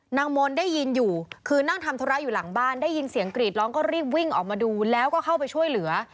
นางมนต์ได้ยินอยู่คือนั่งทำธุระอยู่หลังบ้านได้ยินเสียงกรีดร้องก็รีบวิ่งออกมาดูแล้วก็เข้าไปช่วยเหลือ